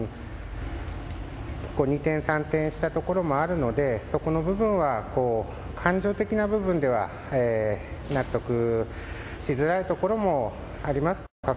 二転三転したところもあるのでそこの部分は、感情的な部分では納得しづらいところもあります。